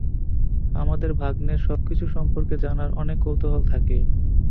আমাদের ভাগ্নের সবকিছু সম্পর্কে জানার অনেক কৌতূহল থাকে।